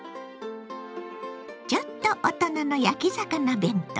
ちょっと大人の焼き魚弁当。